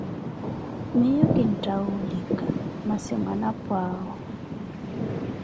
Miiyo kintta woulika, massi mwanapwa awo